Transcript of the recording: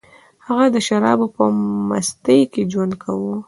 هغه د شرابو په مستۍ کې ژوند کاوه